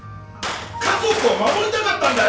家族を守りたかったんだよ！